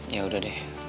ya udah deh